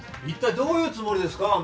一体どういうつもりですか？